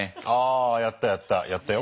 あやったやった。